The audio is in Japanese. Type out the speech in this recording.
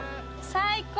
最高！